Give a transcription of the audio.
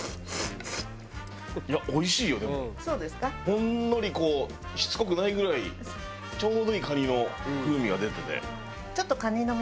ほんのりこうしつこくないぐらいちょうどいい蟹の風味が出てて。